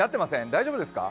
大丈夫ですか？